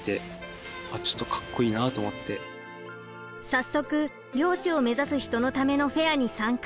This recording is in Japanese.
早速漁師を目指す人のためのフェアに参加。